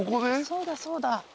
そうだそうだ。